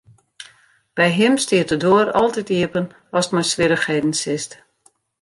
By him stiet de doar altyd iepen ast mei swierrichheden sitst.